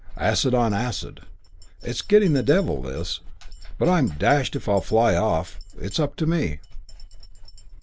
Acid on acid. It's getting the devil, this. But I'm dashed if I'll fly off. It's up to me."